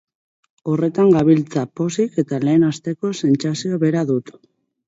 Horretan gabiltza, pozik, eta lehen asteko sentsazio bera dut.